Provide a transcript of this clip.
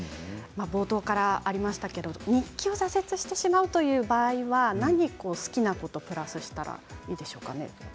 冒頭からありましたけれども日記を挫折してしまうという場合は何を好きなことをプラスしたらいいでしょうかね。